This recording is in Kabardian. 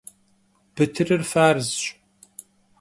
Бытырыр фарзщ.